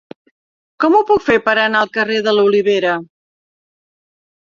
Com ho puc fer per anar al carrer de l'Olivera?